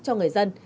cho người dân